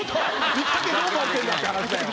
見かけどうなってんだって話だよ。